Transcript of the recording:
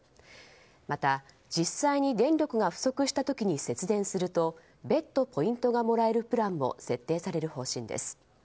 また実際に電力が不足した時に節電すると別途ポイントがもらえるプランも設定される方針です。